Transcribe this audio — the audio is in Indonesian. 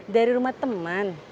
dari rumah teman